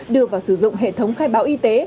đưa vào sử dụng hệ thống khai báo y tế